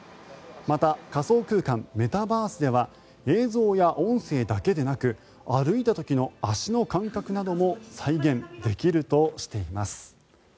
また、仮想空間メタバースでは映像や音声だけでなく歩いた時の足の感覚なども再現できるとしています。